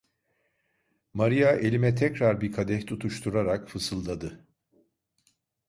Maria elime tekrar bir kadeh tutuşturarak fısıldadı.